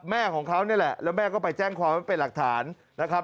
แม่ของเขานี่แหละแล้วแม่ก็ไปแจ้งความไว้เป็นหลักฐานนะครับ